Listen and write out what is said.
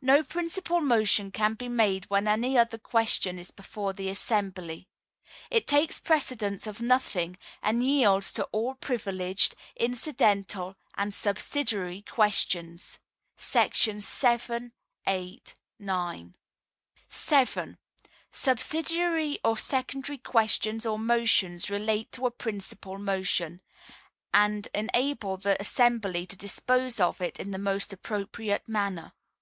No Principal Motion can be made when any other question is before the assembly. It takes precedence of nothing, and yields to all Privileged, Incidental and Subsidiary Questions [§§ 7, 8, 9]. 7. Subsidiary or Secondary Questions or Motions relate to a Principal Motion, and enable the assembly to dispose of it in the most appropriate manner.